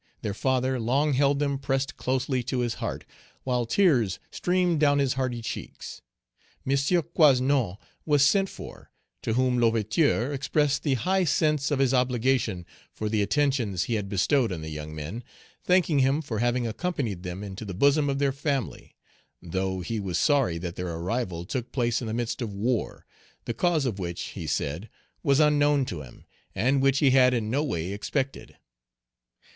Their father long held them pressed closely to his heart, while tears streamed down his hardy cheeks. M. Coasnon was sent for, to whom L'Ouverture expressed the high sense of his obligation for the attentions he had bestowed on the young men, thanking him for having accompanied them into the bosom of their family, though he was sorry that their arrival took place in the midst of war, the cause of which, he said, was unknown to him, and which he had in no way expected.